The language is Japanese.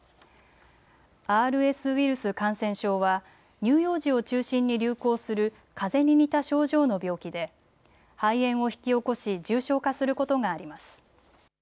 ＲＳウイルス感染症は乳幼児を中心に流行するかぜに似た症状の病気で肺炎を引き起こし重症化することがあります。